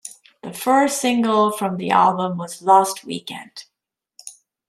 The first single from the album was "Lost Weekend".